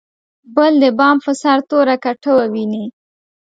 بل د بام په سر توره کټوه ویني.